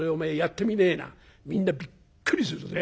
みんなびっくりするぜ。